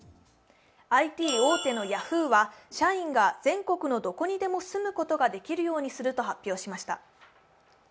ＩＴ大手のヤフーは社員が全国のどこにでも住むことができるようにすると発表しました。